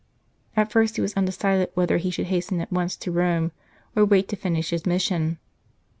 At first he was undecided whether he should hasten at once to Rome, or wait to finish his mission.